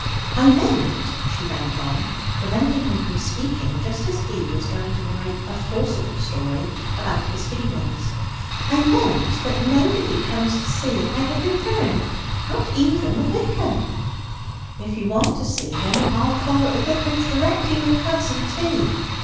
"I meant," she went on, preventing him from speaking just as he was going to narrate a forcible story about his feelings; "I meant that nobody comes to see if I have returned not even the vicar." "If you want to see him, I'll call at the vicarage directly we have had some tea."